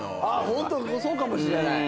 ホントそうかもしれない。